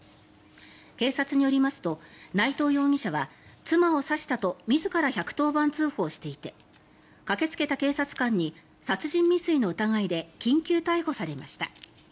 警察によりますと内藤容疑者は妻を刺したと自ら１１０番通報していて駆けつけた警察官に殺人未遂の疑いで緊急逮捕されました。